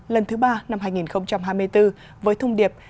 lần thứ ba năm hai nghìn hai mươi bốn với thung điệp